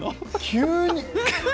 急に。